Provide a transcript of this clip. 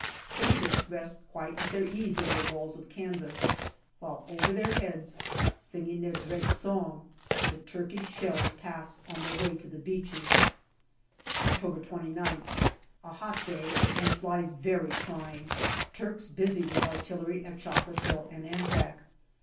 Patients rest quite at their ease in their walls of canvas, while over their heads, singing their dread song, the Turkish shells pass on their way to the beaches. October 29th. A hot day, and flies very trying. Turks busy with artillery at Chocolate Hill and Anzac.